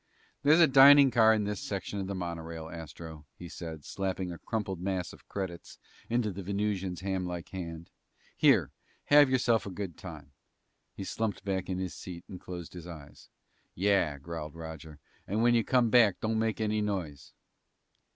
"There's a dining car on this section of the monorail, Astro," he said, slapping a crumpled mass of credits into the Venusian's hamlike hand. "Here. Have yourself a good time." He slumped back in his seat and closed his eyes. "Yeah," growled Roger, "and when you come back, don't make any noise!"